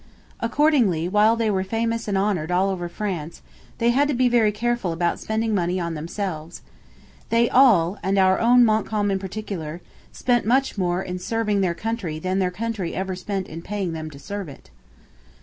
Accordingly, while they were famous and honoured all over France, they had to be very careful about spending money on themselves. They all and our own Montcalm in particular spent much more in serving their country than their country ever spent in paying them to serve it.